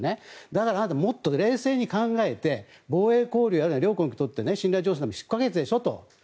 だからもっと冷静に考えて防衛交流、両国にとって信頼醸成は不可欠でしょと。